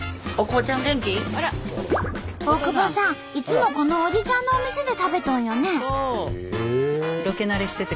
大久保さんいつもこのおじちゃんのお店で食べとんよね？